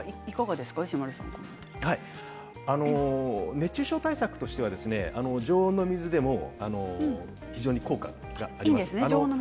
熱中症対策としては常温の水でも非常に効果があります。